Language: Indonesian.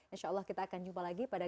insya allah kita akan jumpa lagi pada